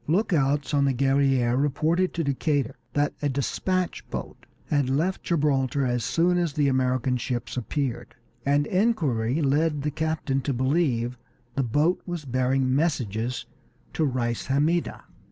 Lookouts on the Guerrière reported to Decatur that a despatch boat had left Gibraltar as soon as the American ships appeared, and inquiry led the captain to believe the boat was bearing messages to Reis Hammida.